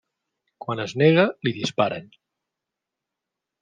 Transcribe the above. Quan es nega, li disparen.